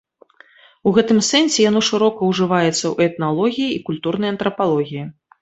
У гэтым сэнсе яно шырока ўжываецца ў этналогіі і культурнай антрапалогіі.